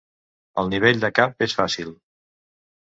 El nivell de cap és fàcil.